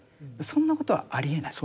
そんなことはありえない。